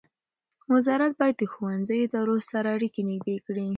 وزارت باید د ښوونیزو ادارو سره اړیکې نږدې کړي.